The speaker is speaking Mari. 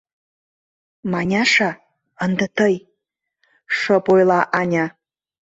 — Маняша, ынде тый, — шып ойла Аня.